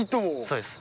そうです。